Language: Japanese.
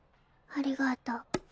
ありがとう。